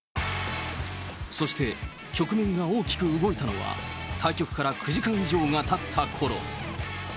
そして局面が大きく動いたのは、対局から９時間以上がたったころ。